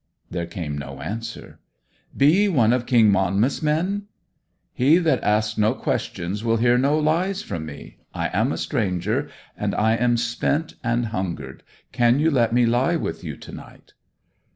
There came no answer. 'Be ye one of King Monmouth's men?' 'He that asks no questions will hear no lies from me. I am a stranger; and I am spent, and hungered. Can you let me lie with you to night?'